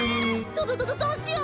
どどどどどうしよう！？